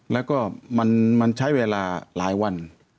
แล้วก็มันใช้เวลาหลายวัน